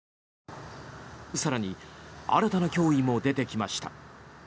更に新たな脅威も出てきました。